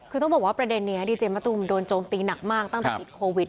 คือต้องบอกว่าประเด็นนี้ดีเจมะตูมโดนโจมตีหนักมากตั้งแต่ติดโควิด